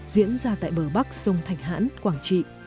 diễn ra tại bờ bắc sông thạch hãn quảng trị